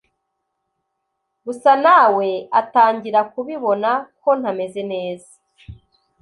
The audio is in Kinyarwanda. gusa nawe atangira kubibona ko ntameze neza.